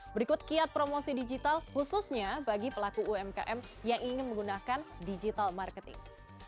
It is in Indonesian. berikut kiat promosi digital khususnya bagi pelaku umkm yang ingin menggunakan digital marketing